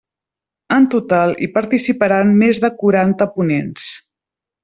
En total, hi participaran més de quaranta ponents.